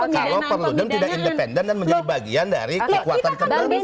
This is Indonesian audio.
kalau perludem tidak independen dan menjadi bagian dari kekuatan tertentu